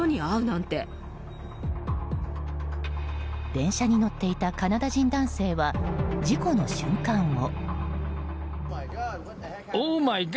電車に乗っていたカナダ人男性は、事故の瞬間を。